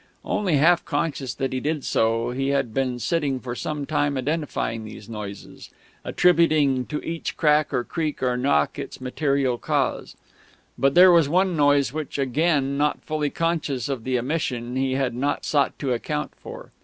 Only half conscious that he did so, he had been sitting for some time identifying these noises, attributing to each crack or creak or knock its material cause; but there was one noise which, again not fully conscious of the omission, he had not sought to account for.